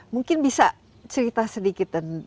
mungkin bisa cerita sedikit